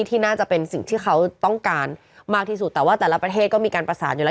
ที่น่าจะเป็นสิ่งที่เขาต้องการมากที่สุดแต่ว่าแต่ละประเทศก็มีการประสานอยู่แล้ว